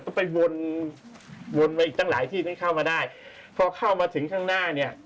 ก็ไปวนวนมาอีกตั้งหลายที่ให้เข้ามาได้พอเข้ามาถึงข้างหน้าเนี่ย